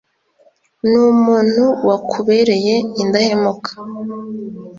n'umuntu wakubereye indahemuka